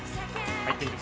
入っている。